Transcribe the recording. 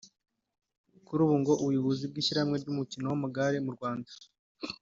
Kuri ubu ngo ubuyobozi bw’ishyirahamwe ry’umukino w’amagare mu Rwanda